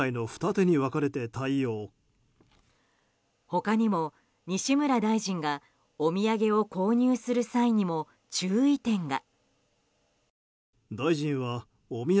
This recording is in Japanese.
他にも、西村大臣がお土産を購入する際にも注意点が。